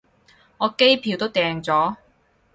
我機票都訂咗